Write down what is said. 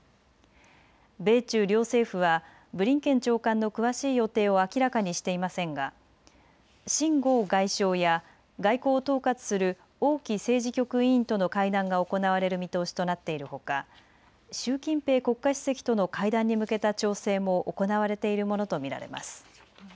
米中両政府はブリンケン長官の詳しい予定を明らかにしていませんが秦剛外相や外交を統括する王毅政治局委員との会談が行われる見通しとなっているほか習近平国家主席との会談に向けた調整も行われているものと見られます。